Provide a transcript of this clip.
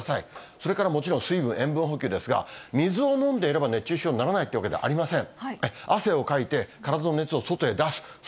それからもちろん、水分、塩分補給ですが、水を飲んでいれば熱中症にならないというわけではありません。